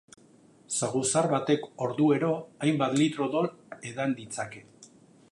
Saguzar batek orduero hainbat litro odol edan ditzake.